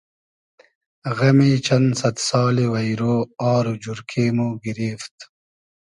غئمی چئن سئد سالی وݷرۉ آر و جورکې مۉ گیریفت